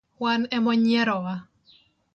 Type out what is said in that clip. Wan e mo nyierowa.